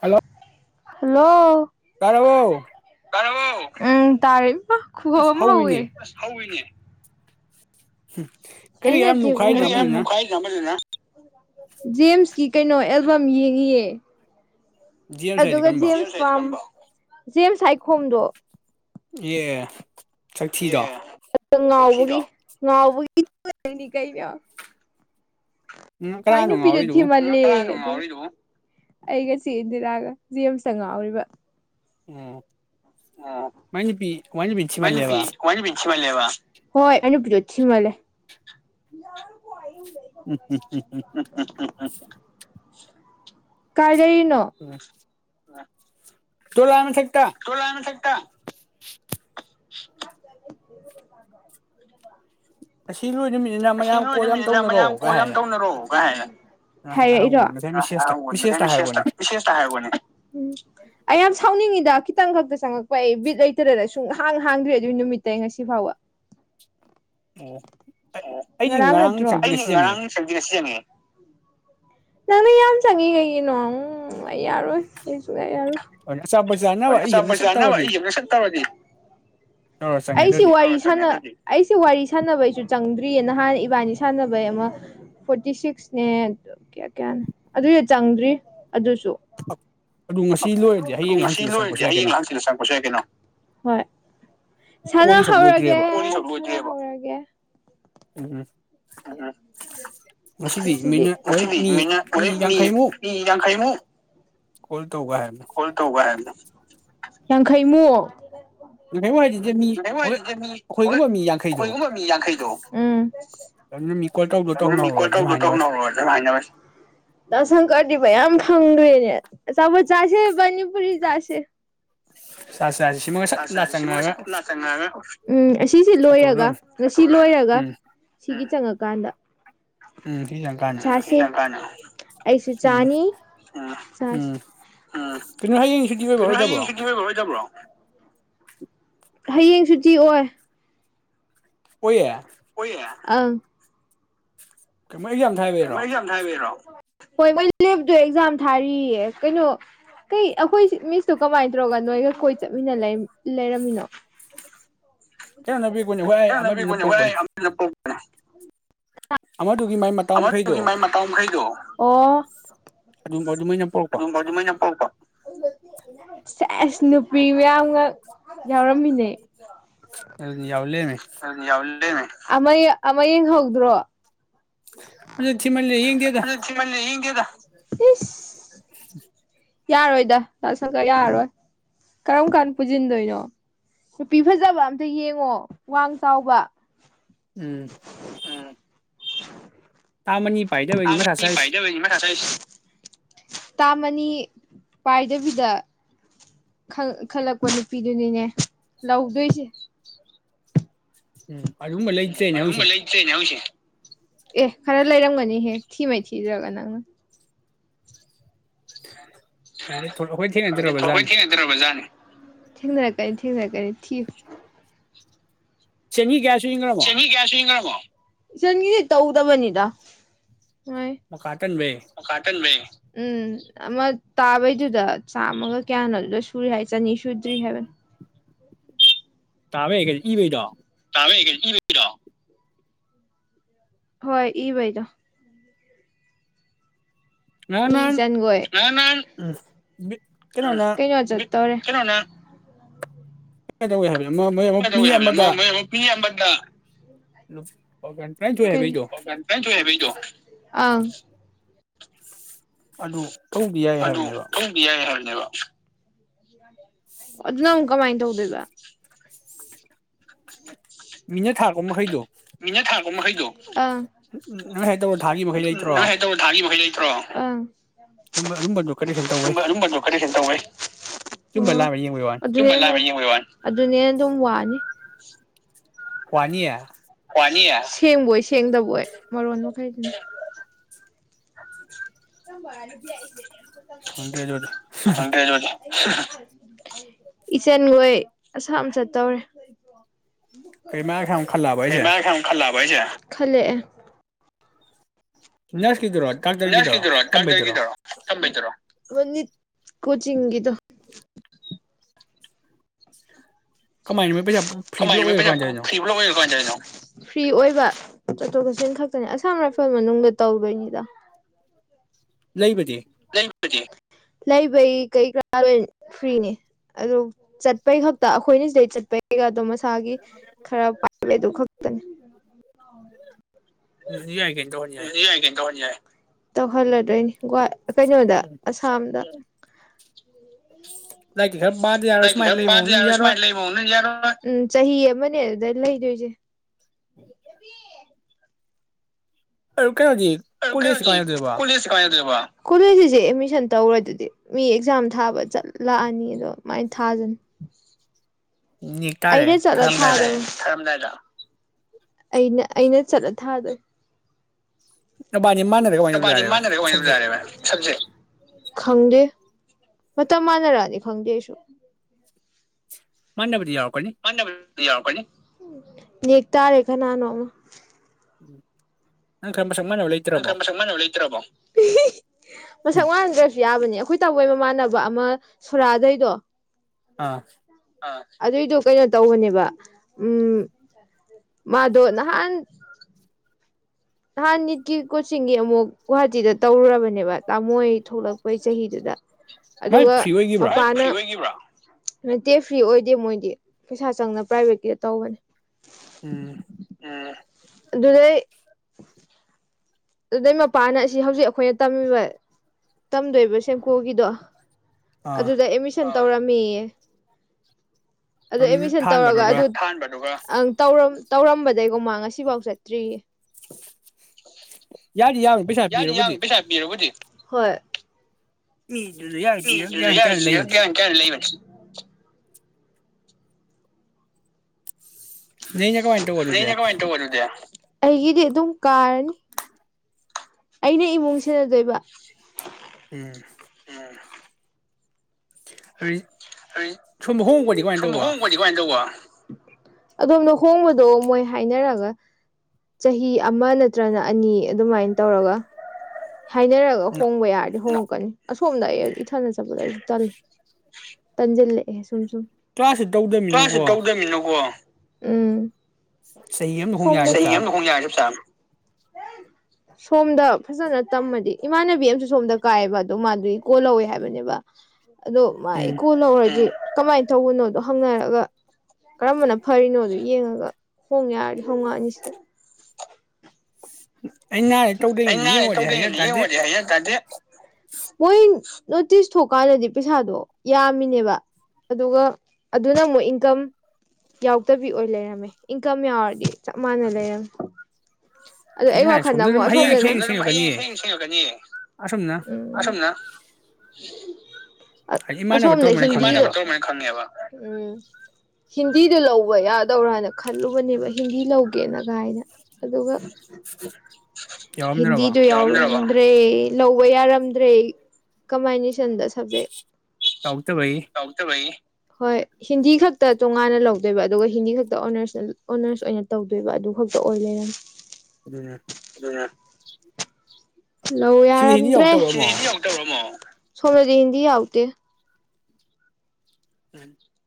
Hello hello ꯀꯔꯣ ꯎꯝ ꯇꯥꯏ ꯋ ꯈꯨꯍꯧ ꯑꯝ ꯍꯎꯏ ꯍꯧꯋꯤꯅꯦ ꯑꯁ ꯍꯧꯏ ꯅꯦ ꯍꯝ ꯑꯩꯅꯠꯇꯦꯕ [unintelligible] ꯀꯔꯤ ꯌꯥꯝ ꯅꯨꯈꯥꯏꯔꯤꯅꫭ ꯑꯃꯗꯨꯅ [unintelligible] ꯖꯦꯝꯁꯀꯤ ꯀꯩꯅꯣ ꯑꯦꯜꯕꯝ ꯌꯦꯡꯉꯤꯌꯦ ꯖꯤ ꯑꯦꯝꯁ ꯍꯥꯏꯁꯦ ꯑꯗꯨꯒ ꯀꯔꯝꯕ ꯖꯦꯝꯁ ꯖꯦꯝꯁ ꯍꯥꯏꯗꯤ ꯀꯔꯝꯕ ꯄꯥꯝ ꯖꯦꯝꯁ ꯁꯥꯏꯈꯣꯝꯗꯣ ꯌꯦ ꯑꯦ ꯆꯛꯊꯤꯗꫭ ꯉꯥꯎꯕꯒꯤ ꯉꯥꯎꯕꯒꯤ [unintelligible] ꯀꯩꯅꫭ ꯎꯝ [unintelligible] ꯃꯥꯏ ꯀꯅꯥꯅꯣ ꯅꯨꯄꯤꯗꯨ ꯊꯤ ꯉꯥꯎꯔꯤꯗꯨꯕꯨ ꯃꯜꯂꯦ ꯂꯥꯡꯒꯅꯨ ꯉꯥꯏꯎꯔꯤꯗꯨꯕꯨ ꯑꯩꯒ ꯆꯦ ꯏꯟꯗꯤꯔꯥꯒ ꯖꯦꯝꯇ ꯉꯥꯎꯔꯤꯕ ꯎꯝ ꯑꯣ ꯅꯨꯄꯤ ꯃꯥꯏꯅꯨꯄꯤ ꯊꯤꯃꯜꯂꯦꯕ ꯃꯥꯏꯅꯨꯄꯤ ꯊꯤꯃꯜ ꯂꯦꯕ ꯍꯣꯏ ꯑꯗꯨ ꯅꯨꯄꯤꯗꫭ ꯊꯤꯃꯜꯂꯦ [unintelligible] ꯎꯝ ꯎꯝ ꯎꯝ ꯎꯝ [unintelligible] ꯀꯥꯏ ꯂꯩꯔꯤꯅꫭ ꯑ ꯇꯨꯂꯥ ꯃꯊꯛ ꯇꯨꯂꯥ ꯃꯊꯛꯇ [unintelligible] ꯑꯁꯤ ꯂꯣꯏ ꯅꯨꯃꯤꯠꯅꯤꯅ ꯃꯌꯥꯝ ꯀꯣꯜ ꯔꯝ ꯗꯧꯅꯔꯣ ꯀꯥ ꯍꯥꯏꯅ ꯀ ꯍꯥꯏꯅ ꯍꯥꯏꯔꯛꯏꯔꯣ ꯍ ꯍꯥꯏ ꯃꯦꯁꯦꯖꯇ ꯍꯧꯕꯅꯦ ꯉꯁꯥꯏ ꯃꯦꯁꯦꯖꯇ ꯃꯦꯁꯦꯁꯇ ꯍꯥꯏꯍꯧꯕꯅꯤ ꯃꯦꯁꯦꯁꯇ ꯎꯝ ꯑꯩ ꯌꯥꯝ ꯁꯥꯎꯅꯤꯡꯉꯤꯗ ꯈꯤꯇꯪ ꯈꯛꯇ ꯆꯪꯉꯛꯄ ꯑꯩ ꯕꯤꯠ ꯂꯩꯇꯔꯔꯦ ꯁꯨꯡ ꯌꯥꯎ ꯍꯥꯡ ꯍꯥꯡꯗ꯭ꯔꯦ ꯑꯗꯨꯏ ꯅꯨꯃꯤꯠꯇꯩ ꯉꯁꯤ ꯐꯥꯎꯕ ꯑꯣ ꯑꫭ ꯑꯩꯗꯤ ꯉꯔꯥꯡ ꯅꯠꯇ꯭ꯔꯣ ꯆꯪꯗꯦ ꯑꯩ ꯉꯁꯤ ꯉꯔꯥꯡ ꯆꯪꯉꯦ ꯆꯪꯗꯦ ꯉꯁꯤ ꯆꯪꯉꯑꯦ ꯅꯪꯅ ꯌꯥꯝ ꯆꯪꯉꯤ ꯀꯩꯒꯤꯅꯣ ꯎꯝ ꯎꯝ ꯑꯩ ꯌꯥꯔꫭꯏ ꯑꯩ ꯁꯨꯡꯌꯥ ꯌꯥꯔꫭꯏ ꯑꯗꯨꯅ ꯑꯆꯥꯄꯣꯠ ꯆꯥꯅꯕ ꯍꫭꯏꯅꯦ ꯑꯩ ꯑꯃꯇ ꯑꯆꯥꯄꫭꯠ ꯁꯠ ꯆꯥꯅꯕ ꯇꯧꯔꯗꯤ ꯑꯩꯒꯤ ꯌꯨꯝꯗ ꯁꯠ ꯇꯧꯔꯗꯤ ꯇꯧꯔ ꯆꯪꯉꯦ ꯑꯩꯁꯤ ꯑꯗꯨꯗꯤ ꯋꯥꯔꯤ ꯁꯥꯟꯅ ꯑꯩꯁꯤ ꯋꯥꯔꯤ ꯁꯥꯟꯅ ꯁꯥꯟꯅꯕꯩꯁꯨ ꯆꯤꯜ ꯆꯪꯗ꯭ꯔꯤꯌꯦ ꯅꯍꯥꯟ ꯏꯕꯥꯅꯤ ꯁꯥꯟꯅꯕꯩ ꯑꯃ ꯐꯣꯔꯇꯤ ꯁꯤꯛꯁꯅꯦ ꯗꯨ ꯀꯌꯥ ꯀꯌꯥꯅꯦ ꯑꯗꯨꯏꯗꯨ ꯆꯪꯗ꯭ꯔꯤ ꯑꯗꯨꯁꯨ [unintelligible] ꯑꯗꯨ ꯉꯁꯤ ꯂꯣꯏꯔꯗꯤ ꯍꯌꯦꯡꯒ ꯍꯥꯡꯆ ꯂꯣꯏꯔꯗꯤ ꯍꯌꯦꯡꯂ ꯍꯥꯡꯆꯤꯠꯂ ꯆꯪꯉꯛꯄꯁꯨ ꯌꯥꯏ ꯀꯩꯅꯣ ꯍꯣꯏ ꯁꯥꯟꯅ ꯀꯣꯜꯂꯤꯁꯨ ꯍꯧꯔꯒꯦ ꯂꯣꯏꯗ꯭ꯔꯦꯕ ꯍꯧꯔꯒꯦ꯫ ꯎꯝ ꯎꯝ ꯉꯁꯤꯗꯤ ꯃꯤꯅ ꯍꯣꯏ ꯉꯁꯤꯗꯤ ꯃꯤ ꯃꯤꯅ ꯑꯣꯏ ꯃꯤ ꯃꯤ ꯌꯥꯡꯈꯩ ꯃꯨꯛ ꯍꯣꯏ ꯍꯣꯜ ꯇꯨꯒ ꯍꯥꯏꯕꯗꯨ ꯌꯥꯡꯈꯩꯃꯨꯛ ꯂꯩ ꯋꯥ ꯍꯥꯏ ꯎꯝ ꯌꯥꯡꯈꯩꯗꯣ ꯑꯗꯨꯅ ꯃꯤ ꯀꯣꯜ ꯇꯧꯗꯣ ꯇꯧꯅꯧꯔꯣ ꯑꯗꯨꯝ ꯍꯥꯏꯅꯕꯅꯤ ꯗꯥ ꯁꯪꯀꯔꯗꯤ ꯃꯌꯝ ꯈꯪ ꯅꯔꯦꯅꯦ ꯑꯆꯥꯄꯣꯠ ꯆꯥꯁꯦ ꯄꯅꯤꯄꯨꯔꯤ ꯆꯥꯁꯦ ꯆꯥꯁꯦ ꯆꯥꯁꯦ ꯁꯤꯃꯒ ꯁꯠ ꯂꯥ ꯆꯪꯉꯥꯒ ꯎꯝ ꯑꯁꯤꯁꯦ ꯂꯣꯏꯔꯒ ꯆꯥꯊꯣꯛꯑꯗꯧꯅꯤ ꯉꯁꯤ ꯂꯣꯏꯔꯒ ꯎꯝ ꯁꯤꯒꯤ ꯆꯪꯉꯀꯥꯟꯗ ꯎꯝ ꯁꯤ ꯆꯪꯀꯥꯟꯗ ꯆꯥꯁꯦ ꯑꯩꯁꯨ ꯎꯝ ꯆꯥꯅꯤ ꯎꯝ ꯆꯥꯁꯦ ꯎꯝ ꯀꯩꯅꯣ ꯍꯌꯦꯡ ꯁꯨꯇꯤ ꯑꯣꯏꯕ꯭ꯔꯣ ꯀꯩꯅꯣ ꯑꯣꯏꯗꯕ꯭ꯔꯣ ꯍꯌꯦꯡ ꯁꯨꯇꯤ ꯑꯣꯏꯕ꯭ꯔꯣ ꯑꯣꯏꯗꯕ꯭ꯔꯣ ꯍꯌꯦꯡ ꯁꯨꯇꯤ ꯑꯣꯏ ꯑꯣꯏꯌꯦ ꯑꯣꯏꯌꯦ ꯎꯝ [unintelligible] ꯍꯣꯏ ꯃꯣꯏ ꯂꯦꯞꯇꯣ ꯑꯦꯛꯖꯥꯝ ꯊꯥꯔꯤꯌꯦ ꯀꯩꯅꯣ ꯀꯩ ꯑꯩꯈꯣꯏ ꯃꯤꯁꯇꯣ ꯀꯃꯥꯏꯅ ꯇꯧꯔꯒ ꯅꯣꯏꯒ ꯀꯣꯏ ꯆꯠꯃꯤꯟꯅ ꯂꯩꯔꯝꯃꯤꯅꯣ꯫ ꯅꯄꯤꯅꯤ ꯑꯩꯈꯣꯏ ꯑꯃꯗꯨꯅ ꯄꯨꯔꯛꯄꯅꯦ [inaudible] ꯑꯃꯗꯨꯒꯤ ꯃꯥꯏ ꯃꯇꯥꯎ ꯃꯈꯩꯗꯣ ꯑꯃꯗꯨꯒꯤ ꯃꯥꯏ ꯃꯇꯥꯎ ꯃꯈꯩꯗꯣ ꯑꯣ ꯑꯗꯨꯝ ꯑꯗꯨꯃꯥꯏꯅ ꯄꯣꯔꯛꯄ ꯑꯗꯨꯃꯩꯅ ꯄꯨꯔꯛꯄ꯫ ꯁꯦꯖ ꯅꯨꯄꯤ ꯃꯌꯥꯝꯒ ꯌꯥꯎꯔꯝꯃꯤꯅꯦ꯫ ꯑꯝ ꯌꯥꯎꯂꯦꯅꯦ ꯑꯃ ꯑꯃ ꯌꯦꯡꯍꯧꯗ꯭ꯔꯣ ꯃꯁꯛ ꯊꯤꯃꯜꯂꯦ ꯌꯦꯡꯗꯦꯗ꯫ ꯌꯦꯡꯗꯦꯗ ꯏꯁ [inaudible] ꯌꯥꯔꯣꯏꯗ ꯌꯥꯔꯔꯣꯏ ꯀꯔꯝ ꯀꯥꯟ ꯄꯨꯁꯤꯟꯗꯣꯏꯅꯣ ꯅꯨꯄꯤ ꯐꯖꯕ ꯑꯃꯇ ꯌꯦꯡꯉꯣ ꯋꯥꯡ ꯆꯥꯎꯕ꯫ ꯎꯝ ꯊꯥ ꯃꯅꯤ ꯄꯥꯏꯗꯕꯩꯅꯤ ꯃꯊꯥ ꯇꯥꯃꯅꯤ ꯁꯥꯏꯁꯦ ꯄꯥꯏꯗꯕꯩꯅꯦ ꯃꯊꯥ ꯁꯥꯏꯁꯦ ꯄꯥꯏꯗꯕꯤꯗ ꯈꯜꯂꯛꯄ ꯅꯨꯄꯤꯗꯨꯅꯤꯅꯦ ꯂꯧꯗꯣꯏꯁꯦ꯫ ꯎꯝ ꯑꯗꯨꯒꯨꯝꯕ ꯂꯩꯇ꯭ꯔꯦꯅꯦ ꯑꯗꯨꯝꯕ ꯍꯧꯖꯤꯛꯁꯦ ꯂꯩꯇꯔꯦꯅꯦ ꯍꯧꯖꯤꯛ ꯑꯦ ꯈꯔ ꯂꯩꯔꯝꯒꯅꯤꯍꯦ ꯊꯤꯃꯩ ꯊꯤꯗ꯭ꯔꯒ ꯅꯪꯅ ꯈꯪꯗꯦ ꯑꯩꯈꯣꯏ ꯈꯪ ꯊꯣꯛꯄꯣꯏ ꯊꯦꯡꯅꯗ꯭ꯔꯕꯖꯥꯠꯅꯤ ꯊꯦꯡꯅꯗ꯭ꯔꯔꯕꯖꯥꯠꯅꯤ [unintelligible] ꯊꯦꯡꯅꯔꯛꯀꯅꯤ ꯊꯦꯡꯅꯔꯛꯀꯅꯤ ꯊꯤꯌꯨ ꯆꯅꯤ ꯀꯌꯥꯁꯤ ꯆꯅꯤ ꯀꯌꯥꯁ ꯀꯃꯣ ꯏꯆꯟꯒꯤꯗꯤ ꯇꯧꯗꯕꯅꯤꯗ ꯃꯀꯥ ꯇꯟꯕꯩ ꯍ ꯀꯥꯇꯟ ꯃ [unintelligible] ꯎꯝ ꯑꯃ ꯇꯥꯕꯩꯗꯨꯗ ꯆꯥꯝꯃꯒ ꯀꯌꯥꯅꯣꯗꯨꯗ ꯁꯨꯔꯤ ꯍꯥꯏ ꯆꯅꯤ ꯁꯨꯗ꯭ꯔꯤ ꯍꯥꯏꯕꯅ ꯇꯥꯕꯦ ꯍꯦꯒꯦ ꯏꯕꯩꯗꯣ ꯇꯥꯕꯦ ꯍꯦꯒꯦ ꯏꯕꯩꯗꯣ꯫ ꯍꯣꯏ ꯏꯕꯩꯗꯣ ꯉꯔꯥꯡ ꯃꯤ ꯅꯍꯥꯟ ꯏꯆꯥꯟꯈꯣꯏ ꯎꯝ ꯀꯩꯅꯣꯅ ꯀꯩꯅꯣ ꯆꯜ ꯇꯧꯔꯦ ꯀꯩꯗꯧꯒꯦ ꯍꯥꯢꯕꯅꯣ꯫ ꯑꯃ ꯃꯣꯏ ꯑꯃ ꯃꯤ ꯑꯃꯗ꯫ ꯇ꯫ ꯅꯨꯄ꯫ ꯀꯩ ꯑ ꯫ ꯑꯗꯨ꯫ ꯇꯧꯕꯗꯤ ꯌꯥꯏ ꯑꯗꯨ ꯍꯥꯏꯕꯅꯦꯕ ꯇꯝꯕꯤ ꯌꯥꯏ ꯍꯥꯏꯅꯦꯕ꯫ ꯑꯗꯨꯅꯃꯨꯛ ꯀꯃꯥꯏꯅ ꯇꯧꯗꯣꯏꯕ꯫ ꯃꯤꯅꯠ꯫ ꯊꯥꯔꯛꯄ ꯃꯈꯩꯗꯨ꯫ ꯃꯤꯅ ꯊꯥꯔꯛꯄ ꯃꯈꯩꯗꯣ ꯇꯧꯔ ꯊꯥꯈꯤ ꯃꯈꯩ ꯂꯩꯇ꯭ꯔꯣ ꯑ ꯇꯥꯒꯤ ꯃꯍ ꯂꯩ [unintelligible] ꯑꯗꯨꯝꯕ ꯑꯗꯨꯝꯕꯗꯣ ꯀꯔꯦꯛꯁꯟ ꯇꯧꯕꯩ ꯑꯪ꯫ ꯆꯨꯝꯕ ꯂꯥꯟꯕ ꯌꯦꯡꯕꯩ ꯋꯥꯅꯤ ꯑꯣ ꯑꯗꯨꯅꯦ ꯑꯗꯨꯝ ꯋꯥꯅꯤ꯫ ꯋꯥꯅꯤꯌꯦ꯫ ꯋꯥꯅꯤꯌꯦ ꯁꯦꯝꯑꯣꯏ ꯁꯦꯡꯗꯕ ꯕꯣꯏ ꯃꯔꯣꯟ ꯃꯈꯩ꯫ ꯎꯝ꯫ ꯌꯥꯝ ꯃꯥꯔꯗꯤ ꯈꯪꯗ꯭ꯔꯦ ꯑꯗꯨꯗꯤ ꯈꯪꯀ꯭ꯔꯦꯖ ꯋꯥꯗꯤ꯫ ꯏꯆꯟꯍꯣꯏ ꯑꯁꯥꯝ ꯆꯠꯇꯧꯔꯦ꯫ ꯀꯩ ꯃꯥ ꯁꯨꯛꯌꯥꯝ ꯈꯜꯂꯛꯑꯕ ꯑꯩꯁꯦ [unintelligible] ꯈꯜꯂꯛꯑꯦ꯫ [unintelligible] ꯗꯥꯛꯇꯔꯒꯤꯗꯨꯔꯣ ꯅ꯭ꯔꯁꯀꯤꯗꯨꯔꯣ ꯇꯝꯕꯩꯗꯨꯔꯣ ꯗꯛꯇꯔꯒꯤꯗꯨꯔꯣ ꯊꯝꯕꯩꯗꯨꯔꯣ ꯃꯅꯤꯠ ꯀꯣꯆꯤꯡꯒꯤꯗꯣ ꯀꯃꯥꯏꯅ ꯃꯣꯏ ꯄꯩꯁꯥ ꯐ꯭ꯔꯤ ꯄꯨꯂꯞ ꯀꯃꯥꯏꯅ ꯃꯣꯏ ꯑꯣꯏꯔꯣ ꯄꯩꯁꯥ ꯇꯧꯔꯤꯅꯣ ꯐꯤꯕꯨ ꯂꯧꯋꯦꯗꯣ ꯀꯃꯥꯏ ꯇꯧꯏꯅ ꯐ꯭ꯔꯤ ꯑꯣꯏꯕ ꯆꯠꯊꯣꯛ ꯆꯠꯁꯤꯟ ꯈꯛꯇꯅꯦ ꯑꯁꯥꯝ ꯔꯥꯏꯐꯜ ꯃꯅꯨꯡꯗ ꯇꯧꯗꯣꯏꯅꯤꯗ ꯂꯩꯕꯗꯤ ꯂꯩꯕꯩ ꯀꯩ ꯀꯔꯥ ꯂ ꯐ꯭ꯔꯤꯅꯤ ꯑꯗꯨ ꯆꯠꯄꯩ ꯈꯛꯇ ꯑꯩꯈꯣꯏꯅ ꯁꯤꯗꯩ ꯆꯠꯄꯩꯒ ꯑꯗꯨꯝ ꯏꯁꯥꯒꯤ ꯈꯔ ꯄꯥꯏꯕꯩ ꯗꯨꯝ ꯈꯛꯇꯅꯤ ꯌꯥꯏ ꯀꯩꯅꯣ ꯇꯧꯍꯟ ꯌꯥꯏ ꯀꯩꯅꯣ ꯇꯧꯍꯟ ꯌꯥꯏ ꯇꯧꯍꯜꯂꯗꯣꯏꯅꯤ ꯒ꯭ꯋꯥ ꯂꯥꯏꯔꯤꯛꯇꯤ ꯈꯔ ꯄꯥꯗ ꯌꯥꯔꯣꯏ ꯁꯨꯃꯥꯏꯅ ꯂꯩ ꯃꯑꯣꯡꯅ ꯌꯥꯔꯣꯏ ꯎꯝ ꯆꯍꯤ ꯑꯃ ꯗꯦꯗꯂꯩꯗꯣꯏꯁꯦ [inaudible] [inaudible] ꯑꯎꯞ ꯀꯩꯅꯣꯗꯤ ꯀꯣꯂꯦꯖꯇꯤ ꯀꯃꯥꯏ ꯇꯧꯗꯨꯏꯕ ꯀꯣꯂꯦꯖꯁꯤꯁꯦ ꯑꯦꯗꯃꯤꯁꯟ ꯇꯧꯈ꯭ꯔꯗꯨꯗꯤ ꯃꯤ ꯑꯦꯛꯖꯥꯝ ꯊꯥꯕ ꯆꯠꯡꯂꯛꯑꯅꯤ ꯑꯗꯣ ꯑꯗꯨꯃꯥꯏꯅ ꯊꯥꯖꯅꯤ ꯅꯦꯛ ꯇꯥꯔꯦ ꯑꯩꯅ ꯆꯠꯂ ꯊꯥꯔꯝꯗꯥꯏꯗ ꯊꯥꯔꯦ ꯑꯩꯅ ꯑꯩꯅ ꯆꯠꯂ ꯊꯥꯗꯣꯏ ꯅꯕꯥꯅꯤ ꯃꯥꯟꯅꯔꯦꯒ ꯀꯃꯥꯏꯅ ꯇꯧꯇꯥꯔꯦꯕ ꯁꯕꯖꯦꯛ ꯁꯕꯖꯦꯛ ꯈꯪꯗꯦ ꯃꯇꯝ ꯃꯥꯟꯅꯔꯛ ꯑꯗꯤ ꯈꯪꯗꯦ ꯑꯩꯁꯨ ꯃꯥꯟꯅꯕꯗꯤ ꯌꯥꯎꯔꯛꯀꯅꯤ ꯃꯥꯟꯅꯕꯗꯤ ꯌꯥꯎꯔꯛꯀꯅꯤ ꯅꯦꯛꯇꯥꯔꯦ ꯀꯅꯥꯅꯣꯝ ꯑꯃ ꯅꯪ ꯈꯝ ꯅꯪ ꯈꯥ ꯃꯁꯛ ꯃꯥꯟꯅꯕ ꯂꯩꯇ꯭ꯔꯕꯣ ꯃꯁꯛ ꯃꯟꯅꯗ꯭ꯔꯁꯨ ꯌꯥꯕꯅꯤ ꯑꯈꯣꯏ ꯇꯧꯋꯦ ꯃꯃꯥꯟꯅꯕ ꯑꯃ ꯁꯣꯔꯥꯗꯩꯗꯣ ꯑꯥ ꯑꯗꯨꯏꯗꯣ ꯀꯩꯅꯣ ꯇꯧꯕꯅꯦꯕ ꯎꯝ ꯃꯥꯗꯣ ꯅꯍꯥꯟ ꯅꯍꯥꯟ ꯅꯤꯠꯀꯤ ꯀꯣꯆꯤꯡꯒꯤ ꯑꯃꯨꯛ ꯒꯨꯍꯥꯇꯤꯗ ꯇꯧꯔꯨꯔꯕꯅꯤ ꯕ ꯇꯥꯃꯣ ꯍꯣꯏ ꯊꯣꯛꯂꯛꯄꯩ ꯆꯍꯤꯗꯨꯗ ꯃꯥꯏ ꯑꯗꯨꯒ ꯐ꯭ꯔꯤ ꯑꯣꯏꯈꯤꯕ꯭ꯔꯥ ꯃꯄꯥꯅ ꯅꯠꯇꯦ ꯐ꯭ꯔꯤ ꯑꯣꯏꯗꯦ ꯃꯣꯏꯗꯤ ꯄꯩꯁꯥ ꯆꯪꯅ ꯄ꯭ꯔꯥꯏꯚꯦꯠꯀꯤꯗ ꯇꯧꯕꯅꯦ ꯎꯝ ꯑꯗꯨꯗꯩ [inaudible] ꯑꯗꯨꯗꯩ ꯃꯄꯥꯅ ꯑꯁꯤ ꯍꯧꯖꯤꯛ ꯑꯩꯈꯣꯏꯅ ꯇꯝꯃꯤꯕ ꯇꯝꯗꯣꯏꯕ ꯁꯦꯝꯀꯣꯒꯤꯗꯣ ꯑꯥ ꯑꯗꯨꯗ ꯑꯦꯃꯤꯁꯟ ꯇꯧꯔꯝꯃꯤꯌꯦ ꯑꯗꯨ ꯄꯔꯃꯤꯅ ꯑꯦꯗꯃꯤꯁꯟ ꯊꯥꯍꯟꯕ ꯇꯧꯔꯒ ꯑꯗꯨꯒ ꯑꯗꯨ ꯑꯪ ꯇꯧꯔꯝ ꯇꯧꯔꯝꯕꯗꯩꯒꯣ ꯃꯥ ꯉꯁꯤꯐꯥꯎ ꯆꯠꯇ꯭ꯔꯤꯌꯦ [unintelligible] ꯌꯥꯗꯤ ꯌꯥꯕꯟ ꯄꯩꯁꯥ ꯄꯤꯔꯕꯨꯗꯤ ꯍꯣꯏ ꯎꯝ ꯌꯥꯎꯁꯤ [unintelligible] ꯂꯩꯕꯟ [inaudible] ꯅꯩꯅ ꯀꯃꯥꯏꯅ ꯇꯧꯕ ꯑꯗꯨꯗꯤ ꯅꯩꯅ ꯀꯃꯥꯏ ꯇꯧꯕ ꯑꯗꯨꯗꯦ ꯑꯩꯒꯤꯗꯤ ꯑꯗꯨꯝ ꯀꯥꯔꯅꯤ ꯑꯩꯅ ꯏꯃꯨꯡ ꯁꯦꯟꯅꯗꯣꯏꯕ ꯎꯝ ꯎꯝ ꯑꯩꯔꯤ ꯑꯩ ꯁꯨꯝ ꯍꯣꯡꯉꯛꯄꯗꯤ ꯀꯃꯥꯏꯅ ꯇꯧꯕ ꯑꯗꯣꯝꯗ ꯍꯣꯡꯕꯗꯣ ꯃꯣꯏ ꯍꯥꯏꯅꯔꯒ ꯆꯍꯤ ꯑꯃ ꯅꯠꯇ꯭ꯔꯅ ꯑꯅꯤ ꯑꯗꯨꯃꯥꯏꯅ ꯇꯧꯔꯒ ꯍꯥꯏꯅꯔꯒ ꯍꯣꯡꯕ ꯌꯥꯔꯗꯤ ꯍꯣꯡꯉꯛꯀꯅꯤ ꯑꯁꯣꯝꯗ ꯑꯩ ꯏꯊꯟꯗ ꯆꯠꯄꯗꯨ ꯑꯩ ꯇꯜ ꯇꯟꯖꯤꯜꯂꯛꯑꯦ ꯁꯨꯝ ꯁꯨꯝ ꯁꯨꯝ ꯀ꯭ꯂꯥꯁꯁꯨ ꯀ꯭ꯂꯥꯁꯁꯤ ꯇꯧꯗꯕꯅꯤꯅꯀꯣ ꯇꯧꯗꯝꯃꯤꯅꯀꯣ ꯎꯝ ꯆꯍꯤ ꯑꯃꯗ ꯍꯣꯡ ꯌꯥꯔꯦ ꯆꯞ ꯆꯍꯤ ꯆꯥꯕ ꯑꯃ ꯍꯣꯡ ꯌꯥ ꯆꯞ ꯆꯥꯔꯝ ꯁꯣꯝꯗ ꯐꯖꯅ ꯇꯝꯃꯗꯤ ꯏꯃꯥꯟꯅꯕꯤ ꯑꯃꯁꯨ ꯁꯣꯝꯗ ꯀꯥꯏꯌꯦꯕ ꯑꯗꯣ ꯃꯥꯗꯨꯒꯤ ꯏꯀꯣꯂꯧꯏ ꯍꯥꯏꯕꯅꯦꯕ ꯑꯗꯣꯃꯥꯏ ꯎꯝ [unintelligible] ꯂꯧꯔꯗꯤ ꯀꯃꯥꯏꯅ ꯇꯧꯕꯅꯣꯗꯣ ꯍꯪꯅꯔꯒ ꯀꯔꯝꯕꯅ ꯐꯔꯤꯅꯣꯗ ꯌꯦꯡꯉꯒ ꯍꯣꯡ ꯌꯥꯔꯗꯤ ꯍꯣꯡꯉꯛꯑꯅꯤꯁꯤꯗ ꯑꯩ ꯅꯥꯟꯗ ꯇꯧꯗ꯭ꯔꯤꯉꯩꯗ ꯌꯦꯡꯉꯣꯗꯤ ꯍꯥꯏꯗꯦ ꯇꯥꯗꯦ ꯃꯣꯏ ꯅꯣꯇꯤꯁ ꯊꯣꯛꯀꯥꯟꯗꯗꯤ ꯄꯩꯁꯥꯗꯣ ꯌꯥꯝꯃꯤꯅꯦꯕ ꯑꯗꯨꯒ ꯑꯗꯨꯅ ꯑꯃꯨꯛ ꯏꯟꯀꯝ ꯌꯥꯎꯗꯕꯤ ꯑꯣꯏ ꯂꯩꯔꯝꯃꯦ ꯏꯟꯀꯝ ꯌꯥꯎꯔꯗꯤ ꯆꯞ ꯃꯥꯟꯅ ꯂꯩꯔꯝꯃꯤ ꯑꯗꯣ ꯑꯩꯅ ꯑꯩ ꯍꯥꯏ ꯋꯥꯈꯜꯗ ꯁꯣꯝꯗ ꯑꯃꯨꯛ ꯑꯗꯨꯝ ꯑꯁꯣ ꯍꯌꯦꯡ ꯁꯦꯡ ꯁꯦꯡꯉꯛꯀꯅꯤ ꯑꯁꯣꯝꯅ [unintelligible] ꯑꯁꯣꯝꯗꯅ ꯍꯥꯏꯗꯤ ꯏꯃꯥꯟꯅꯕ ꯑꯁꯣꯝꯗꯤ ꯎꯝ ꯇꯧꯔꯝꯕꯅ ꯍꯤꯟꯗꯤꯗꯨ ꯈꯪꯉꯦꯕ [unintelligible] ꯍꯤꯟꯗꯤꯗꯨ ꯂꯧꯕ ꯌꯥꯗꯧꯔꯥꯅ ꯈꯜꯂꯨꯕꯅꯦꯕ ꯍꯤꯟꯗꯤ ꯂꯧꯒꯦꯅ ꯒꯥꯏꯅ ꯑꯗꯨꯒ [inaudible] ꯌꯥꯎꯔꯝꯗ꯭ꯔꯕ ꯍꯤꯟꯗꯤꯗꯨ ꯌꯥꯎ [unintelligible] ꯑꯦ ꯂꯧꯕ ꯌꯥꯔꯝꯗ꯭ꯔꯦ ꯀꯃꯥꯏꯅ ꯁꯟꯗ ꯁꯞꯖꯦꯛ ꯌꯥꯎꯔꯛꯇꯕꯒꯤ [unintelligible] ꯍꯣꯏ ꯍꯤꯟꯗꯤ ꯈꯛꯇ ꯇꯣꯉꯥꯟꯅ ꯂꯧꯗꯣꯏꯕ ꯑꯗꯨꯒ ꯍꯤꯟꯗꯤ ꯈꯛꯇ ꯑꯣꯅꯔꯁ ꯑꯣꯅꯔꯁ ꯑꯣꯏꯅ ꯇꯧꯗꯣꯏꯕ ꯑꯗꯨ ꯈꯛꯇ ꯑꯣꯏ ꯂꯩꯔꯝꯅꯤ ꯎꯝ ꯎꯝ ꯂꯧ ꯍꯤꯟꯗꯤ ꯍꯤꯟꯗꯤ ꯌꯥꯔꯝꯗ꯭ꯔꯦ ꯌꯥꯎꯔꯛꯇꯕ꯭ꯔꯣ ꯑꯃꯨꯛ ꯁꯣꯝꯗꯗꯤ ꯍꯤꯟꯗꯤ ꯌꯥꯎꯗꯦ [unintelligible]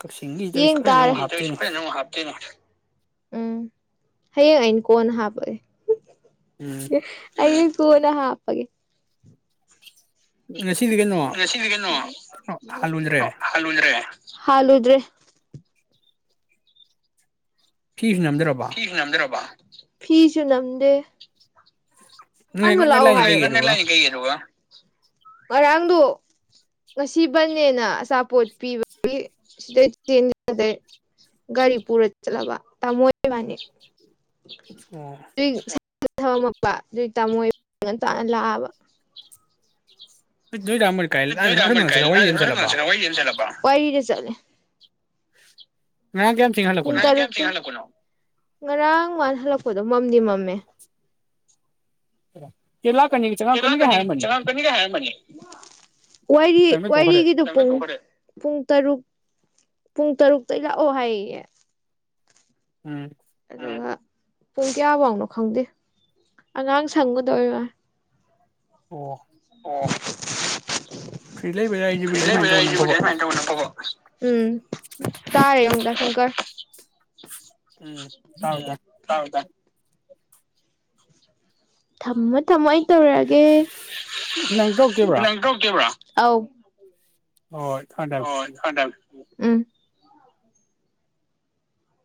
ꯀꯛꯆꯤꯡꯒꯤ ꯇꯧꯔꯤꯁꯤ ꯌꯦꯡ ꯐꯖꯅ ꯇꯥꯔꯦ ꯑꯃꯨꯛ ꯍꯥꯞꯇꯣꯏꯅꯤ ꯎꯝ ꯍꯌꯦꯡ ꯑꯩꯅ ꯀꯣꯟꯅ ꯍꯥꯞꯄꯒꯦ ꯎꯝ ꯀꯩ ꯑꯩ ꯀꯣꯟꯅ ꯍꯥ ꯍꯥꯄꯒꯦ ꯉꯁꯤꯗꯤ ꯀꯩꯅꯣ ꯅꯁꯤꯗ ꯀꯩꯅꯣ ꯍꯥꯜꯂꯨꯗ꯭ꯔꯦ ꯍꯜꯂꯨꯗꯔ꯭ꯦ ꯍꯥꯜꯂꯨꯗ꯭ꯔꯦ [inaudible] ꯐꯤꯁꯨ ꯅꯝꯗ꯭ꯔꯔꯕ ꯐꯤꯁꯨ ꯅꯝꯗꯦ ꯅꯣꯏ ꯍꯦꯛ ꯉꯟꯅ ꯂꯥꯛꯏ ꯀꯩꯒꯤ ꯑꯗꯨꯒ ꯪ ꯀꯩꯒꯤ ꯑꯗꯨꯒ ꯉꯔꯥꯡꯗꯣ ꯉꯁꯤ ꯕꯟꯅꯦꯅ ꯑꯆꯥꯄꯣꯠ ꯄꯤꯕꯒꯤ ꯁꯤꯗꯗꯩ ꯒꯥꯔꯤ ꯄꯨꯔ ꯆꯠꯂꯕ ꯇꯥꯃꯣꯕꯥꯅꯤ ꯑꯣ [unintelligible] ꯊꯅꯝꯃꯕ ꯑꯗꯨꯏ ꯇꯥꯃꯣꯏ ꯉꯟꯇꯥ ꯂꯥꯛꯑꯕ ꯅꯣꯏ ꯗꯥ ꯃꯣꯏ ꯀꯥꯏ ꯣꯏꯒ ꯑꯝꯕꯜ ꯋꯥꯔꯤ ꯑꯃ ꯆꯠꯂꯕ ꯀꯥꯏꯂ ꯍꯣꯏꯒꯤ ꯌꯦꯟꯁꯤꯂꯄꯥ ꯋꯥꯏꯔꯤꯗ ꯆꯠꯂꯦ ꯉꯔꯥꯡ ꯀꯌꯥꯝ ꯊꯦꯡꯅ ꯄꯨꯡ ꯍꯜꯂꯛꯄꯅꯣ ꯇꯔꯨꯛ ꯉꯔꯡ ꯍꯜꯂꯛꯄꯗꯣ ꯃꯝꯗꯤ ꯃꯝꯃꯦ ꯍꯂ ꯋꯥꯏꯔꯤ ꯆꯪꯕꯩ ꯇꯣꯛꯈ꯭ꯔꯦ ꯋꯥꯢꯔꯤꯒꯤꯗꯣ ꯄꯨꯡ ꯄꯨꯡ ꯇꯔꯨꯛ ꯄꯨꯡ ꯇꯔꯨꯛꯇ ꯂꯥꯛꯑꯣ ꯍꯥꯏꯌꯦ ꯎꯝ ꯑꯗꯨꯒ ꯄꯨꯡ ꯀꯌꯥꯐꯧꯅꯣ ꯈꯪꯗꯦ ꯑꯉꯥꯡ ꯁꯪꯉꯨꯗꯣꯏ ꯑꯣꯏ ꯑꯣ ꯑꯣ ꯐ꯭ꯔꯤ ꯂꯩꯕ ꯌꯥꯏꯁꯤꯕꯨꯗꯤ ꯑꯁꯨꯃꯥꯏꯅ ꯇꯧꯕꯅ ꯑꯐꯕ ꯎꯝ ꯇꯥꯔꯦ ꯑꯝ ꯗꯥ ꯁꯪꯀꯔ ꯎꯝ ꯇꯥꯎ ꯇꯥꯎ ꯇꯥꯁꯟ ꯊꯝꯃꯣ ꯊꯝꯃꯣ ꯑꯩ ꯇꯧꯔꯒꯦ ꯅꯪ ꯇꯧꯔꯛꯇꯣꯏꯕ꯭ꯔꯥ ꯅꯪ ꯇꯧꯔꯛ ꯇꫭꯏꯕ꯭ꯔꯥ ꯑꯧ ꯍꯣꯏ ꯊꯝ ꯊꯝꯃꯦ ꯎꯝ